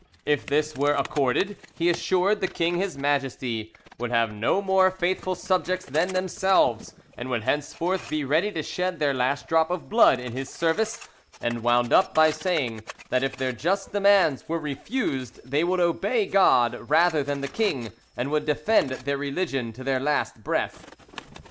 If this were accorded, he assured the king His Majesty would have no more faithful subjects than themselves, and would henceforth be ready to shed their last drop of blood in his service, and wound up by saying that if their just demands were refused they would obey God rather than the king, and would defend their religion to their last breath.